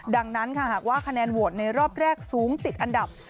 ดังนั้นค่ะหากว่าคะแนนโหวตในรอบแรกสูงติดอันดับ